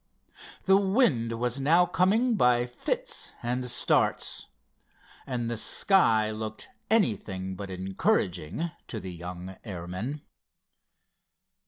The wind was now coming by fits and starts, and the sky looked anything but encouraging to the young airmen.